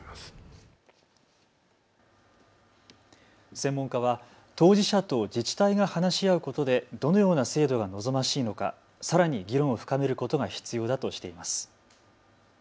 専門家は当事者と自治体が話し合うことでどのような制度が望ましいのかさらに議論を深めることが必要だとしています。